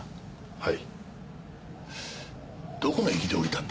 はい。